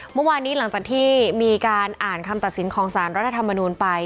เมื่อวานนี้หลังจากที่มีการอ่านคำตัดสินของสารรัฐธรรมนูลไป